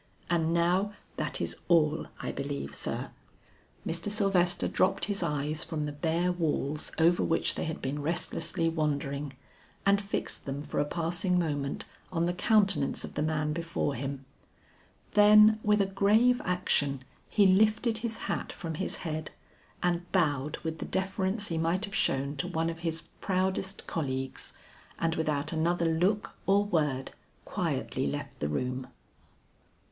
And now that is all I believe, sir." Mr. Sylvester dropped his eyes from the bare walls over which they had been restlessly wandering, and fixed them for a passing moment on the countenance of the man before him. Then with a grave action he lifted his hat from his head, and bowed with the deference he might have shown to one of his proudest colleagues, and without another look or word, quietly left the room.